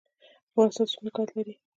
افغانستان څومره ګاز لري؟